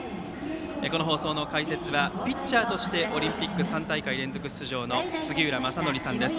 この放送の解説はピッチャーとしてオリンピック３大会連続出場の杉浦正則さんです。